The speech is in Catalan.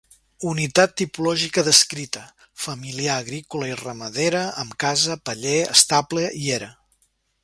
Unitat tipològica descrita; familiar agrícola i ramadera amb casa, paller, estable i era.